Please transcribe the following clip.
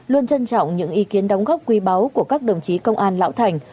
luôn trân trọng những ý kiến đóng góp quy báo của các đồng chí công an lão thành